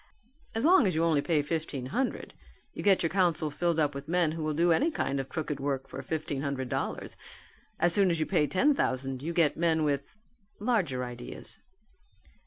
As long as you only pay fifteen hundred you get your council filled up with men who will do any kind of crooked work for fifteen hundred dollars; as soon as you pay ten thousand you get men with larger ideas."